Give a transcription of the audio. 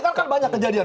kan kan banyak kejadian